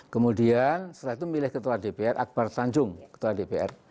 kemudian setelah itu milih ketua dpr akbar tanjung ketua dpr